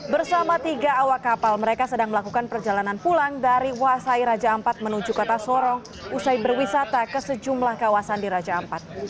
bersama tiga awak kapal mereka sedang melakukan perjalanan pulang dari wasai raja ampat menuju kota sorong usai berwisata ke sejumlah kawasan di raja ampat